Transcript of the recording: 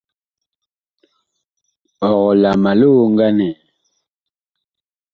Ɔg la ma li oŋganɛ?